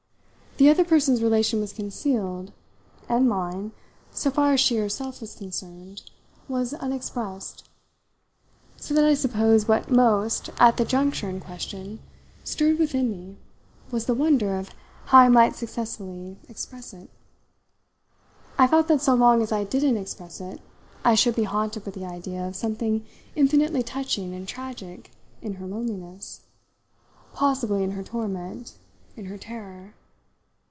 The other person's relation was concealed, and mine, so far as she herself was concerned, was unexpressed so that I suppose what most, at the juncture in question, stirred within me was the wonder of how I might successfully express it. I felt that so long as I didn't express it I should be haunted with the idea of something infinitely touching and tragic in her loneliness possibly in her torment, in her terror.